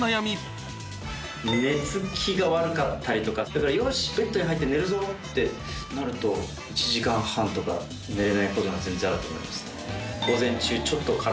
続いてだからよしベッドに入って寝るぞってなると１時間半とか寝れないことが全然あると思いますね。